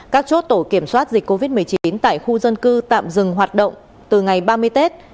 các chốt tổ kiểm soát dịch covid một mươi chín tại khu dân cư tạm dừng hoạt động từ ngày ba mươi tết